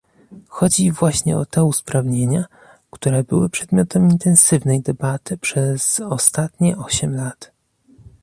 Chodzi właśnie o te usprawnienia, które były przedmiotem intensywnej debaty przez ostatnie osiem lat